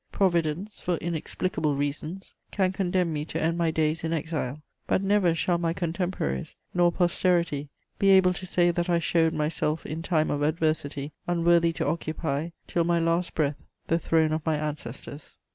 Providence, for inexplicable reasons, can condemn me to end my days in exile; but never shall my contemporaries nor posterity be able to say that I showed myself in time of adversity unworthy to occupy, till my last breath, the throne of my ancestors."